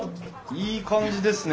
いい感じですね。